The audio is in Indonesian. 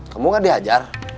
kamu gak diajar